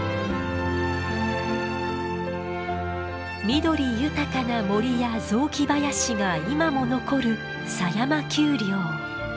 緑豊かな森や雑木林が今も残る狭山丘陵。